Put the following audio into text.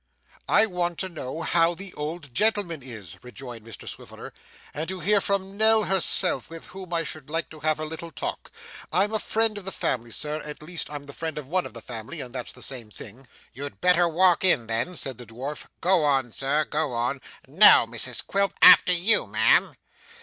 'I want to know how the old gentleman is,' rejoined Mr Swiveller, 'and to hear from Nell herself, with whom I should like to have a little talk. I'm a friend of the family, sir at least I'm the friend of one of the family, and that's the same thing.' 'You'd better walk in then,' said the dwarf. 'Go on, sir, go on. Now, Mrs Quilp after you, ma'am.